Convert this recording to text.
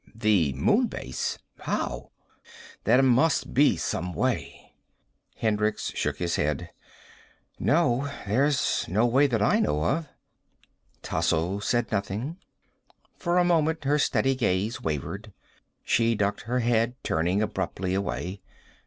"The Moon Base? How?" "There must be some way." Hendricks shook his head. "No. There's no way that I know of." Tasso said nothing. For a moment her steady gaze wavered. She ducked her head, turning abruptly away.